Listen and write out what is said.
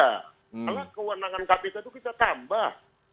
karena kewenangan kpk itu kita tambah